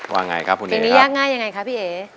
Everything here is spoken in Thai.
ว่าไงครับคุณเอ๋ครับเพลงนี้ยากง่ายยังไงครับพี่เอ๋